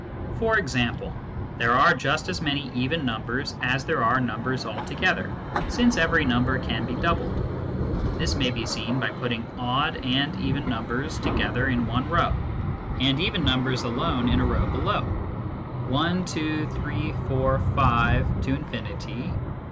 For example, there are just as many even numbers as there are numbers altogether, since every number can be doubled. This may be seen by putting odd and even numbers together in one row, and even numbers alone in a row below : 1, 2, 3, 4, 5, ad infinitum.